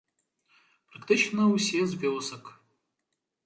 Практычна ўсе з вёсак.